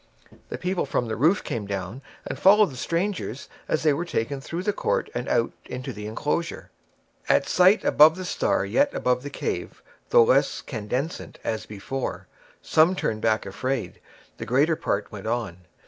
The people from the roof came down and followed the strangers as they were taken through the court and out into the enclosure; at sight of the star yet above the cave, though less candescent than before, some turned back afraid; the greater part went on.